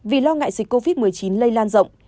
vì lo ngại dịch covid một mươi chín lây lan rộng